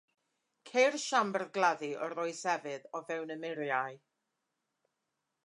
Ceir siambr gladdu o'r Oes Efydd o fewn y muriau.